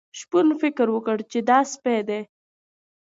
شپون فکر وکړ چې دا سپی دی.